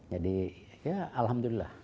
jadi ya alhamdulillah